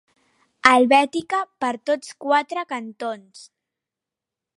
Helvètica per tots quatre cantons.